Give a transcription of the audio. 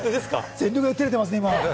全力で照れてますね。